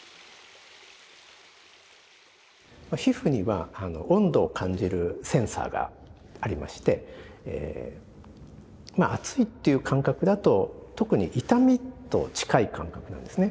皮膚には温度を感じるセンサーがありまして熱いっていう感覚だと特に痛みと近い感覚なんですね。